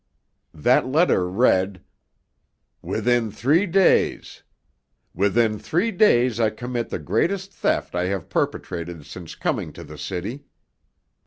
That letter read: Within three days! Within three days I commit the greatest theft I have perpetrated since coming to the city!